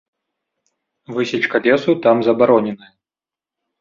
Высечка лесу там забароненая.